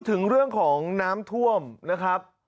ถึงเรื่องของน้ำท่วมนะครับ